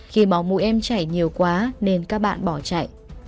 khi máu mũi em chảy nhiều quá nên các bạn bỏ chạy